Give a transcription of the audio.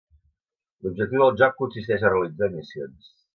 L'objectiu del joc consisteix a realitzar missions.